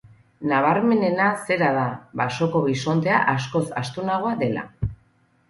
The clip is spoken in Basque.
Nabarmenena zera da, basoko bisontea askoz astunagoa dela.